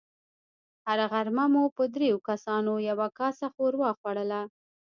هره غرمه مو په دريو کسانو يوه کاسه ښوروا خوړله.